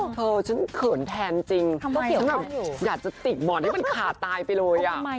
เธอฉันเขินแทนจริงฉันแบบอยากจะติดบ่อนให้มันขาดตายไปเลย